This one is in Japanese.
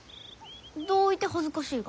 どういて恥ずかしいが？